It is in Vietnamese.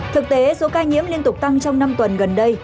thực tế số ca nhiễm liên tục tăng trong năm tuần gần đây